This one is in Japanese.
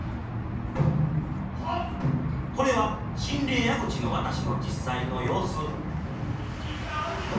これは「神霊矢口渡」の実際の様子。